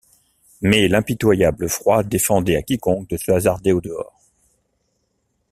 Mais l’impitoyable froid défendait à quiconque de se hasarder au-dehors.